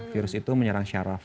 virus itu menyerang syaraf